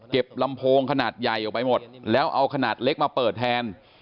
ลำโพงขนาดใหญ่ออกไปหมดแล้วเอาขนาดเล็กมาเปิดแทน